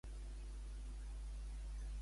Com de desviada estava aquesta?